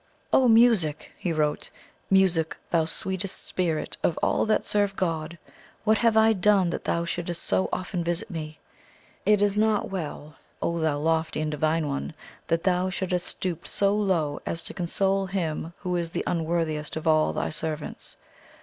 "O Music!" he wrote, "Music, thou Sweetest Spirit of all that serve God, what have I done that thou shouldst so often visit me? It is not well, O thou Lofty and Divine One, that thou shouldst stoop so low as to console him who is the unworthiest of all thy servants.